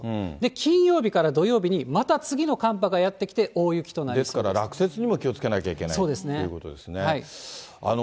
金曜日から土曜日にまた次の寒波がやって来て、ですから、落雪にも気をつけなきゃいけないということですね。